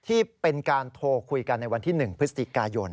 ที่เป็นการโทรคุยกันในวันที่๑พฤศจิกายน